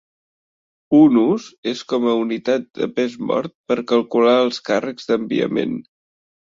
Un ús és com a unitat de pes mort per calcular els càrrecs d'enviament.